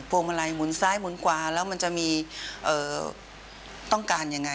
วงมาลัยหมุนซ้ายหมุนขวาแล้วมันจะมีต้องการยังไง